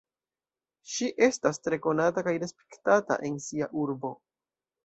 Ŝi estas tre konata kaj respektata en sia urbo.